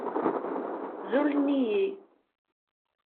Zulen-iyi.